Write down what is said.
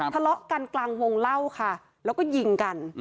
ทะเลาะกันกลางวงเล่าค่ะแล้วก็ยิงกัน